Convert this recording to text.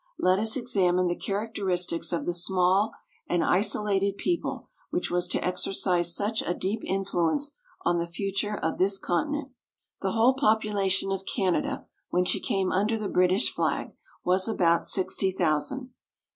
Let us examine the characteristics of the small and isolated people which was to exercise such a deep influence on the future of this continent. The whole population of Canada when she came under the British flag was about sixty thousand.